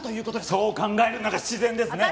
そう考えるのが自然ですね！